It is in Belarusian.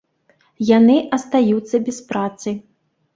Яны астаюцца без працы.